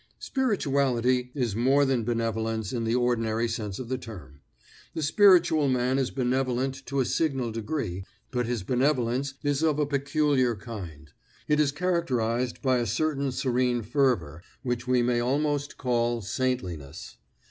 Spirituality is more than benevolence in the ordinary sense of the term. The spiritual man is benevolent to a signal degree, but his benevolence is of a peculiar kind. It is characterized by a certain serene fervor which we may almost call saintliness.